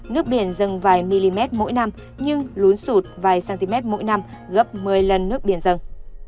nước biển dâng vài mm mỗi năm nhưng lún sụt vài cm mỗi năm gấp một mươi lần nước biển dân